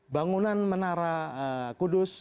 bangunan menara kudus